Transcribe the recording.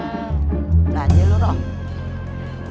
belanja lu roh